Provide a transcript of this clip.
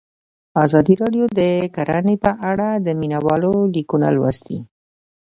ازادي راډیو د کرهنه په اړه د مینه والو لیکونه لوستي.